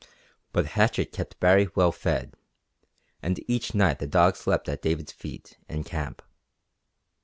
But Hatchett kept Baree well fed, and each night the dog slept at David's feet in camp.